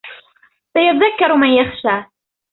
سَيَذَّكَّرُ مَنْ يَخْشَى